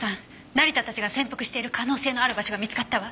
成田たちが潜伏している可能性のある場所が見つかったわ。